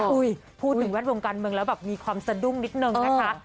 พูดถึงแวดวงการเมืองแล้วแบบมีความสะดุ้งนิดนึงนะคะ